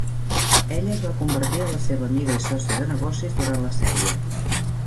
Ella es va convertir en la seva amiga i sòcia de negocis durant la sèrie.